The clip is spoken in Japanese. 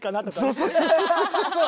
そうそうそうそう！